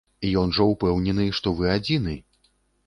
Ён жа ўпэўнены, што вы адзіны.